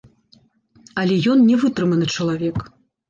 Але ён не вытрыманы чалавек.